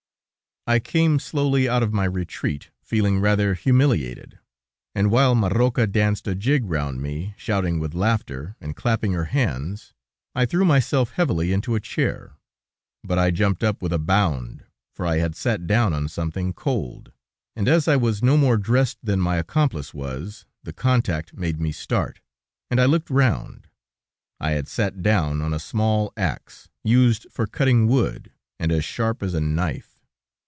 I came slowly out of my retreat, feeling rather humiliated, and while Marroca danced a jig round me, shouting with laughter, and clapping her hands, I threw myself heavily into a chair. But I jumped up with a bound, for I had sat down on something cold, and as I was no more dressed than my accomplice was, the contact made me start, and I looked round. I had sat down on a small axe, used for cutting wood, and as sharp as a knife.